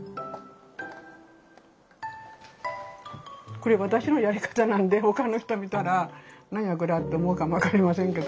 これ私のやり方なんで他の人見たら何やこりゃって思うかも分かりませんけど。